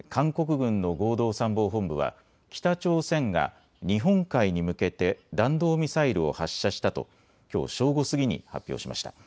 韓国軍の合同参謀本部は北朝鮮が日本海に向けて弾道ミサイルを発射したときょう正午過ぎに発表しました。